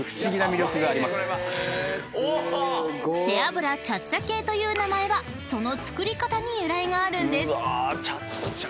［背脂チャッチャ系という名前はその作り方に由来があるんです］